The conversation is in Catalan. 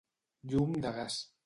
Llum de gas.